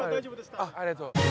あっありがとう。